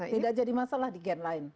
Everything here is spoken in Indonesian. tidak jadi masalah di gen lain